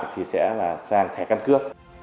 thì sẽ là sang thẻ căn cước